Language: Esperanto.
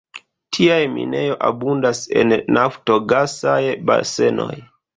Tiaj minejo abundas en naftogasaj basenoj.